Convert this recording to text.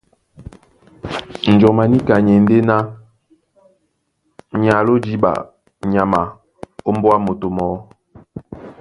Njɔm a níka ni e ndé ná ni aló jǐɓa nyama ómbóá moto mɔɔ́.